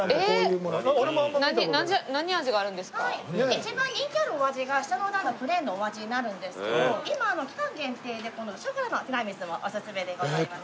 一番人気あるお味が下の段のプレーンのお味になるんですけど今期間限定でこのショコラのティラミスもおすすめでございます。